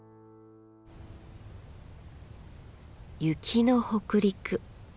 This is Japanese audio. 雪の北陸。